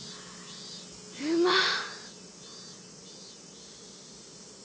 うまっ。